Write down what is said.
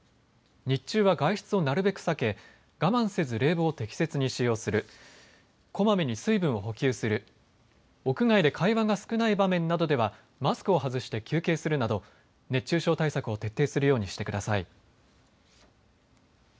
日中は外出をなるべく避け我慢せず冷房を適切に使用する、こまめに水分を補給する、屋外で会話が少ない場面などではマスクを外して休憩するなど熱中症対策を徹底するようにしてください。